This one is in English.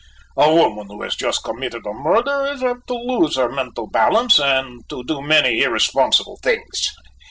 A woman who has just committed a murder is apt to lose her mental balance and to do many irresponsible things.